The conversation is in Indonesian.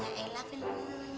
ya elah bener